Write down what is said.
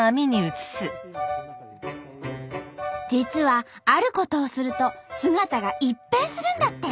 実はあることをすると姿が一変するんだって。